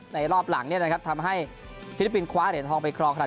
ในรอบหลังทำให้ฟิลิปปินสคว้าเหรียญทองไปครองครั้ง